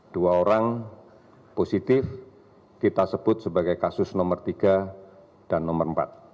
dua orang positif kita sebut sebagai kasus nomor tiga dan nomor empat